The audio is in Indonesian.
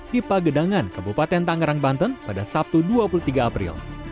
di pagedangan kabupaten tangerang banten pada sabtu dua puluh tiga april